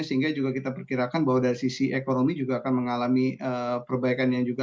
sehingga juga kita perkirakan bahwa dari sisi ekonomi juga akan mengalami perbaikan yang juga